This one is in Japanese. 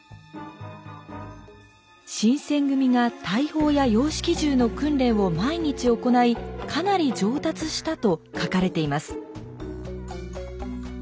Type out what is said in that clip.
新選組が大砲や洋式銃の訓練を毎日行いかなり上達したと書かれています。